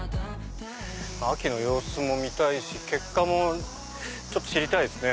秋の様子も見たいし結果も知りたいですね。